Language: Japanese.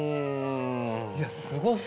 いやすごすぎるよ。